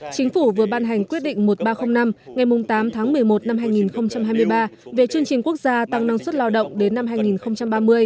chính phủ vừa ban hành quyết định một nghìn ba trăm linh năm ngày tám tháng một mươi một năm hai nghìn hai mươi ba về chương trình quốc gia tăng năng suất lao động đến năm hai nghìn ba mươi